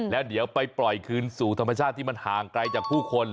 แล้วเดี๋ยวไปปล่อยคืนสู่ธรรมชาติที่มันห่างไกลจากผู้คน